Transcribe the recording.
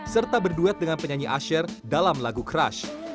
serta berduet dengan penyanyi asher dalam lagu crush